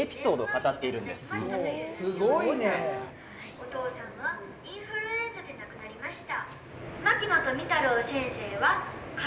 「お父さんはインフルエンザで亡くなりました」。